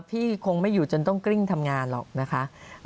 คงไม่อยู่จนต้องกริ้งทำงานหรอกนะคะ